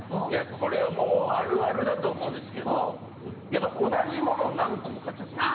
これもうあるあるだと思うんですけどやっぱ同じものを何個も買っちゃうんですよ